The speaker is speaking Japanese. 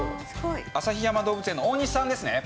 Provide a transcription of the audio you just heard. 旭山動物園の大西さんですね。